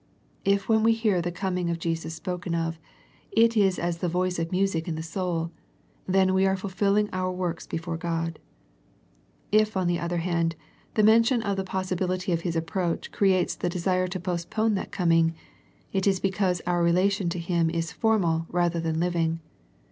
If when we hear the coming of Jesus spoken of, it is as the voice of music in the soul, then are we fulfilling our works be fore God. If on the other hand, the mention of the possibility of His approach creates the desire to postpone that coming, it is because our relation to Him is formal rather than liv ing.